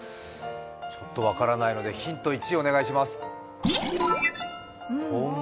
ちょっと分からないのでヒント１をお願いします。